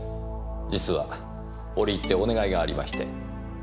実は折り入ってお願いがありまして。